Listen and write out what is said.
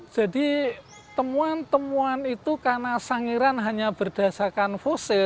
jadi temuan temuan itu karena sangiran hanya berdasarkan fosil